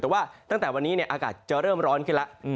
แต่ว่าตั้งแต่วันนี้อากาศจะเริ่มร้อนขึ้นแล้ว